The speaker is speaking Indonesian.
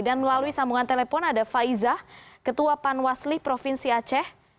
dan melalui sambungan telepon ada faiza ketua panwasli provinsi aceh